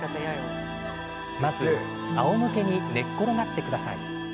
まず、あおむけに寝っ転がってください。